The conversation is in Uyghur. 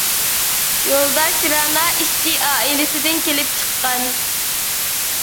يولداش رەنا ئىشچى ئائىلىسىدىن كېلىپ چىققان.